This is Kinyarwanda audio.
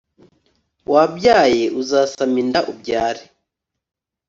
wabyaye uzasama inda ubyare